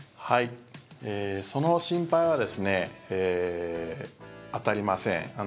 その心配は当たりません。